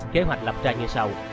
kế hoạch lập ra như sau